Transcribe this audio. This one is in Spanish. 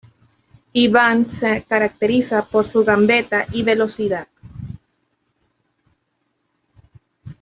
Iván se caracteriza por su gambeta y velocidad.